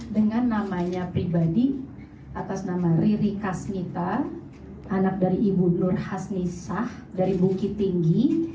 dengan namanya pribadi atas nama riri kasnita anak dari ibu nur hasnisah dari bukit tinggi